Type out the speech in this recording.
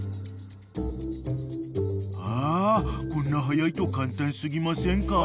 ［あこんな速いと簡単過ぎませんか？］